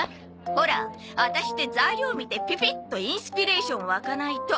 ほらアタシって材料見てピピッとインスピレーション湧かないと。